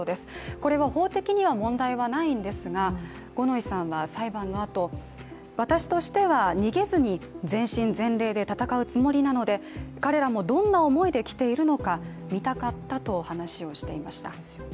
これは法的には問題はないんですが五ノ井さんは裁判のあと、私としては逃げずに全身全霊で戦うつもりなので彼らもどんな思いで来ているのか見たかったと話をしていました。